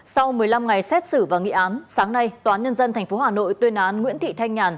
sau một mươi năm ngày xét xử và nghị án sáng nay tòa án nhân dân tp hà nội tuyên án nguyễn thị thanh nhàn